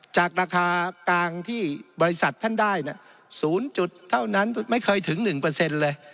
จากราคากลางที่บริษัทท่านได้๐เท่านั้นไม่เคยถึง๑เลย